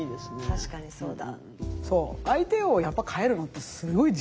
確かにそうだ。